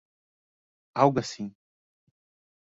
Algo assim